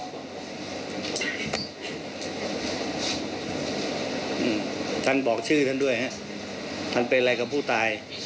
ท่านบอกท่านบอกชื่อท่านด้วยฮะท่านเป็นอะไรกับผู้ตาย